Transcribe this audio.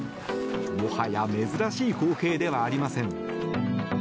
もはや珍しい光景ではありません。